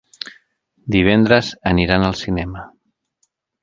Divendres aniran al cinema.